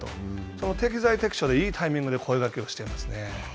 その適材適所でいいタイミングで声かけをしていますね。